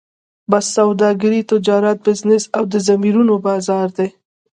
بس سوداګري، تجارت، بزنس او د ضمیرونو بازار دی.